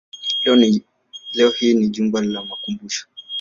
Leo hii ni jumba la makumbusho.